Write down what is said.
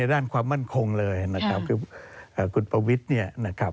ด้านความมั่นคงเลยคุณประวิทย์